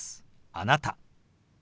「あなた」。